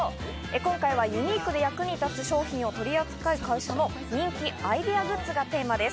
今回はユニークで役に立つ商品を取り扱う会社の人気アイデアグッズがテーマです。